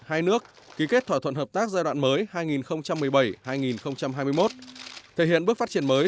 hai nước ký kết thỏa thuận hợp tác giai đoạn mới hai nghìn một mươi bảy hai nghìn hai mươi một thể hiện bước phát triển mới